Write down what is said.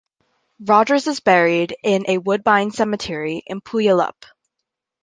Rogers is buried in the Woodbine Cemetery in Puyallup.